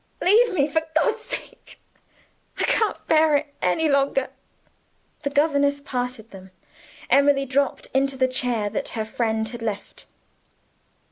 leave me for God's sake I can't bear it any longer!" The governess parted them. Emily dropped into the chair that her friend had left.